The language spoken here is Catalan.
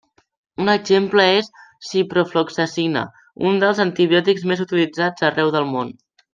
Un exemple és ciprofloxacina, un dels antibiòtics més utilitzats arreu del món.